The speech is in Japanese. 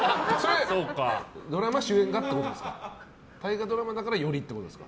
ドラマ主演がってことですか。